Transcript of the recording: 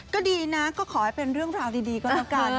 ก็ดีนะก็ขอให้เป็นเรื่องราวดีก็แล้วกัน